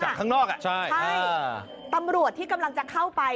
ข้างนอกอ่ะใช่ใช่ตำรวจที่กำลังจะเข้าไป